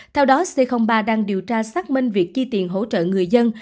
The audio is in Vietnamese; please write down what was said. theo đó c ba đang điều tra xác minh việc chi tiền hỗ trợ người dân